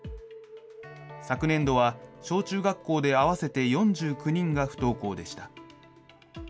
昨年度は小中学校で合わせて４９人が不登校でした。